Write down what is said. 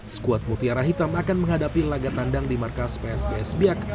skuad mutiara hitam akan menghadapi laga tandang di markas psbs biak